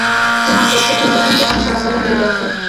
তোমার তত্ত্ব শুনতে-শুনতে কান ঝালাপালা হয়ে গেছে।